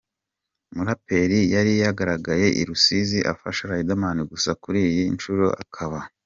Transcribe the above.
muraperi yari yagaragaye i Rusizi afasha Riderman gusa kuri iyi nshuro akaba.